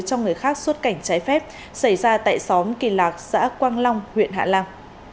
trong người khác suốt cảnh cháy phép xảy ra tại xóm kỳ lạc xã quang long huyện hạ lăng